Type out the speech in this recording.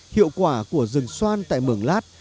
hiệu quả của rừng xoan tại mường lát